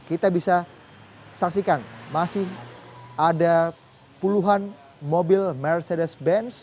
kita bisa saksikan masih ada puluhan mobil mercedes benz